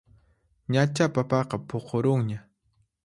Ñachá papaqa puqurunña